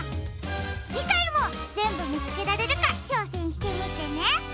じかいもぜんぶみつけられるかちょうせんしてみてね。